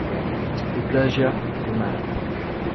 Le plagiat c'est mal.